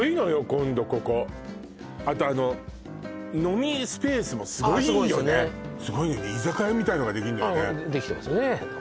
今度ここあと飲みスペースもすごいよねすごいよね居酒屋みたいなのができんだよねできてますね